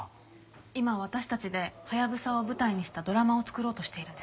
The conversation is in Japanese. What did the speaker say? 今私たちでハヤブサを舞台にしたドラマを作ろうとしているんです。